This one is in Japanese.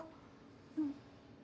うん。